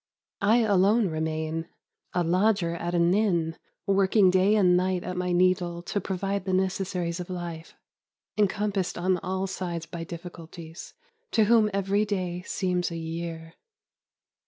I alone remain — a lodger at an inn, working day and night at my needle to provide the necessaries of life; encompassed on all sides by difl&culties; to whom every day seems a year.